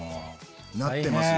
なってますよ。